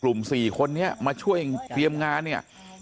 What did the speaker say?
กลุ่ม๔คนมาช่วยเปรียมงานเนี่ย